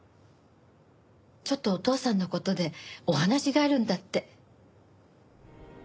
ちょっとお父さんの事でお話があるんだって。